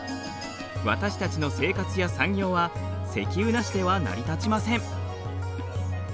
私たちの生活や産業は石油なしでは成り立ちません。